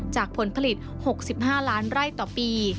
จากผลผลิต๖๕ล้านไร้อย่าง